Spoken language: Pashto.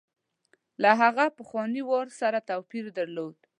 له هغه پخواني وار سره توپیر درلود.